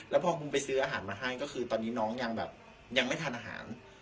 แล้วพอคุณไปซื้ออาหารมาให้ก็คือตอนนี้น้องยังแบบยังไม่ทานอาหาร